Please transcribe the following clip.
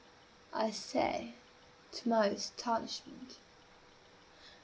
I say, to my astonishment.